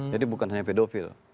jadi bukan hanya pedofil